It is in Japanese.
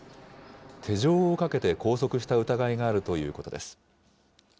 手錠をかけて拘束した疑いがあるということです。